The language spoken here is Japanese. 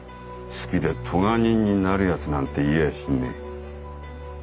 好きで咎人になるやつなんていやしねえ。